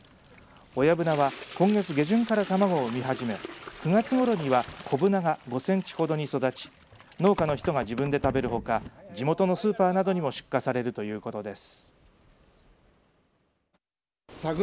親ぶなは、今月下旬から卵を産み始め９月ごろには子ぶなが５センチほどに育ち農家の人が自分で食べるほか地元のスーパーなどにも出荷されるということです。